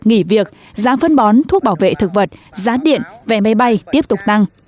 nghỉ việc giá phân bón thuốc bảo vệ thực vật giá điện vẻ máy bay tiếp tục năng